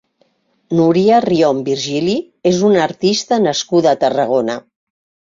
Núria Rion Virgili és una artista nascuda a Tarragona.